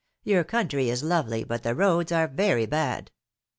^^Your country is lovely, but the roads are very bad."